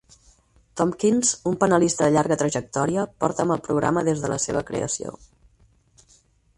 Tompkins, un panelista de llarga trajectòria, porta amb el programa des de la seva creació.